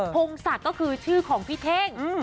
พงศักดิ์ก็คือชื่อของพี่เท่ง